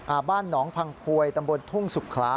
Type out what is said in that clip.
บ้านหนองพังพวยตำบลทุ่งสุขลา